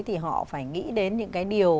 thì họ phải nghĩ đến những cái điều